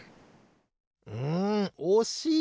うんおしい！